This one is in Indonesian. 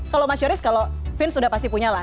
kalau mas yoris kalau vince sudah pasti punya lah